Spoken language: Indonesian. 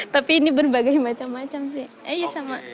tapi ini berbagai macam macam sih